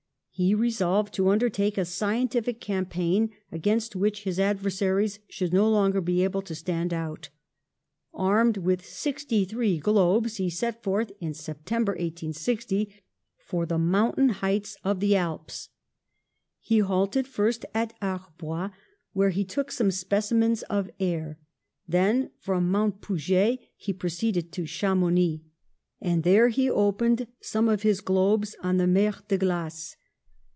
He resolved to undertake a scientific campaign, against which his adversaries should no longer be able to stand out. Armed with sixty three globes, he set forth, in September, 1860, for the moun tain heights of the Alps. He halted first at Ar bois, where he took some specimens of air ; then from Mount Poujet he proceeded to Chamou nix, and there he opened some of his globes on the Mer de Glace.